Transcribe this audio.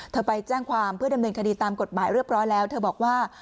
ไปแจ้งความเพื่อดำเนินคดีตามกฎหมายเรียบร้อยแล้วเธอบอกว่า